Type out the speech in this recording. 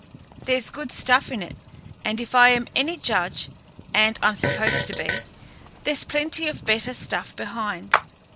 There's good stuff in it, and if I am any judge, and I'm supposed to be, there's plenty of better stuff behind.